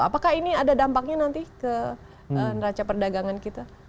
apakah ini ada dampaknya nanti ke neraca perdagangan kita